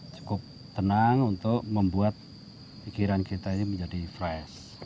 cukup tenang untuk membuat pikiran kita ini menjadi fresh